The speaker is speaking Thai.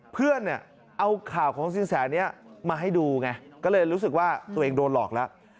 เพื่อนเนี่ยเอาข่าวของสินแสนี้มาให้ดูไงก็เลยรู้สึกว่าตัวเองโดนหลอกแล้ว